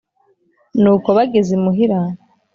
Nuko bageze imuhira,